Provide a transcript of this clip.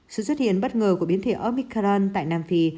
sự xuất hiện bất ngờ của biến thể omicaran tại nam phi